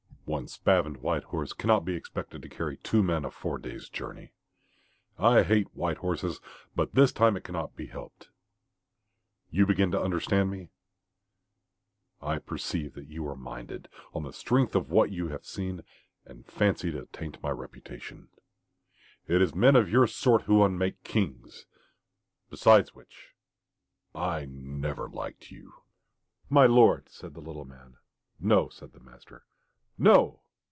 One spavined white horse cannot be expected to carry two men a four days' journey. I hate white horses, but this time it cannot be helped. You begin to understand me?... I perceive that you are minded, on the strength of what you have seen and fancy, to taint my reputation. It is men of your sort who unmake kings. Besides which I never liked you." "My lord!" said the little man. "No," said the master. "NO!"